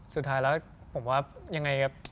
สุดท้ายผมว่ายังไง